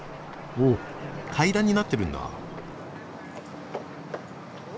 おっ階段になってるんだ。